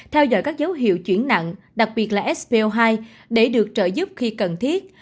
theo dõi các dấu hiệu chuyển nặng đặc biệt là svo hai để được trợ giúp khi cần thiết